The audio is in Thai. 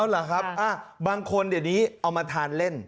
เหรอครับบางคนเดี๋ยวนี้เอามาทานเล่น